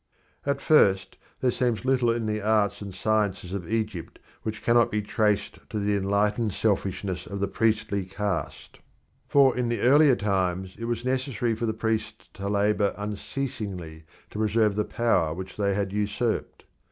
At first sight there seems little in the arts and sciences of Egypt which cannot be traced to the enlightened selfishness of the priestly caste. For in the earlier times it was necessary for the priests to labour unceasingly to preserve the power which they had usurped.